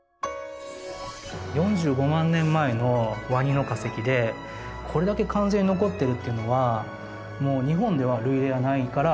４５万年前のワニの化石でこれだけ完全に残っているっていうのは日本では類例がないから。